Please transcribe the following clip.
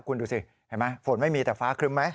คุณดูสิเห็นไหมฝนไม่มีแต่ฟ้าครึ้มไหม